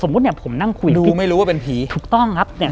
เนี้ยผมนั่งคุยดูคือไม่รู้ว่าเป็นผีถูกต้องครับเนี้ย